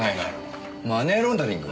マネーロンダリング？